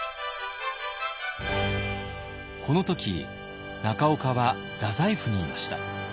この時中岡は太宰府にいました。